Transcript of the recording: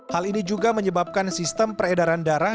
hal ini juga menyebabkan sistem peredaran darah